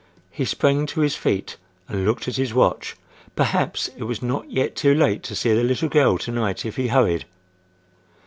He sprang to his feet and looked at his watch. Perhaps, it was not yet too late to see the little girl to night if he hurried?